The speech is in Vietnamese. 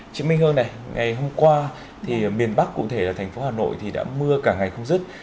chị minh hương này ngày hôm qua thì miền bắc cụ thể là thành phố hà nội thì đã mưa cả ngày không dứt